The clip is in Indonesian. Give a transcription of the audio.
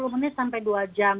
tiga puluh menit sampai dua jam